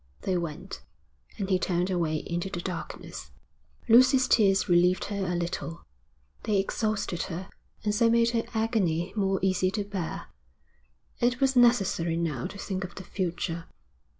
They went. And he turned away into the darkness. Lucy's tears relieved her a little. They exhausted her, and so made her agony more easy to bear. It was necessary now to think of the future.